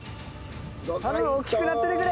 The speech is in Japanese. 頼む大きくなっててくれ！